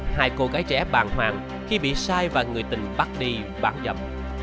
hai cô gái trẻ bàn hoàn khi bị sai và người tình bắt đi bản dập